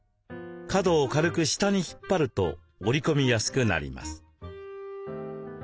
角を軽く下に引っ張ると折り込みやすくなります。